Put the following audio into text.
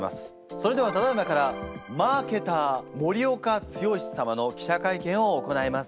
それではただいまからマーケター森岡毅様の記者会見を行います。